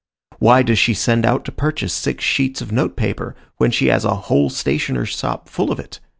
Why does she send out to purchase six sheets of note paper, when she has a "whole stationer's shop full of it?"